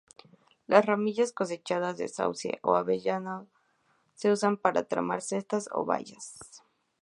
Las ramillas cosechadas de sauce o avellano se usan para tramar cestas o vallas.